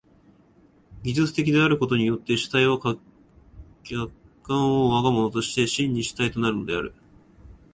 技術的であることによって主体は客観を我が物として真に主体となるのである。